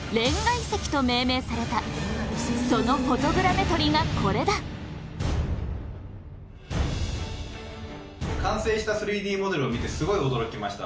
こちらはそのフォトグラメトリがこれだ完成した３Ｄモデルを見てすごい驚きました。